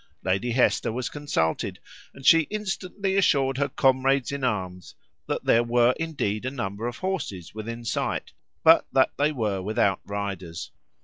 Lady Hester was consulted, and she instantly assured her comrades in arms that there were indeed a number of horses within sight, but that they were without riders.